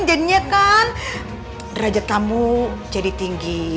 jadinya kan derajat tamu jadi tinggi